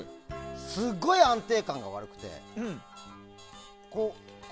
すごい安定感が悪くて。